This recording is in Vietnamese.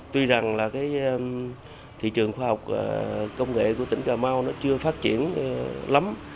tuy rằng là cái thị trường khoa học công nghệ của tỉnh cà mau nó chưa phát triển lắm